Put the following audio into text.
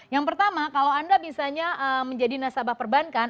yang pertama kalau anda misalnya menjadi nasabah perbankan